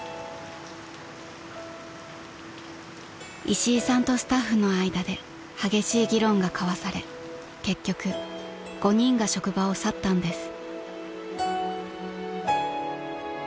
［石井さんとスタッフの間で激しい議論が交わされ結局５人が職場を去ったんです］